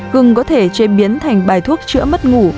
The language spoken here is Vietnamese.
hưng có thể chế biến thành bài thuốc chữa mất ngủ